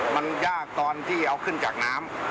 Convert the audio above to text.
มันยากตอนที่เอาขึ้นจากน้ำ